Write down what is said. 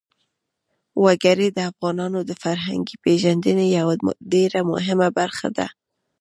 وګړي د افغانانو د فرهنګي پیژندنې یوه ډېره مهمه برخه ده.